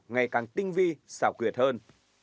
ngày càng tinh vi xảo quyệt hơn